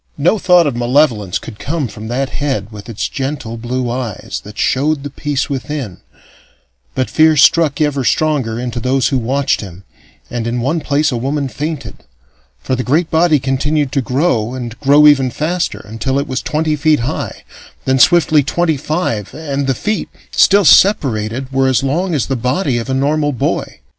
No thought of malevolence could come from that head with its gentle blue eyes that showed the peace within, but fear struck ever stronger into those who watched him, and in one place a woman fainted; for the great body continued to grow, and grow ever faster, until it was twenty feet high, then swiftly twenty five, and the feet, still separated, were as long as the body of a normal boy.